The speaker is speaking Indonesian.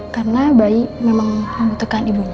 karena bayi memang membutuhkan ibunya